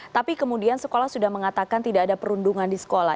tapi kemudian sekolah sudah mengatakan tidak ada perundungan di sekolah